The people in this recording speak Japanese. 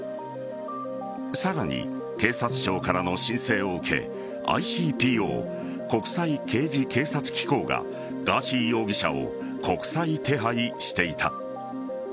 さらに、警察庁からの申請を受けＩＣＰＯ＝国際刑事警察機構がガーシー容疑者を国際手配していた。